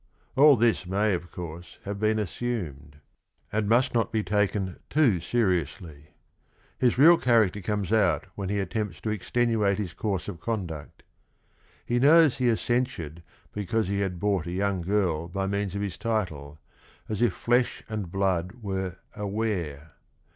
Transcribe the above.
All this may, of course, have been assumed, and must not be taken too COUNT GUIDO FRANCESCHINI 73 seriously. His real character comes out when he attempts to extenuate his course of conduct. He knows he is censured because he had bought a young girl by means of his title, as if flesh and blood were a ware.